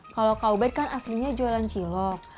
kalau kak ubed kan aslinya jualan cilok